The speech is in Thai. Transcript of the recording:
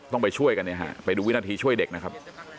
ต้องไปช่วยกันเนี่ยฮะไปดูวินาทีช่วยเด็กนะครับ